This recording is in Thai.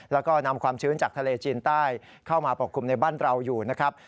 แล้วก็นำความชื้นจากทะเลจีนใต้เข้ามาปกคลุมในบ้านเราอยู่นะครับ